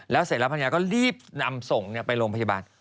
แล้วเสร็จแล้วภรรยาก็รีบนำส่งไปโรงพยาบาล